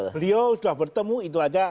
beliau sudah bertemu itu aja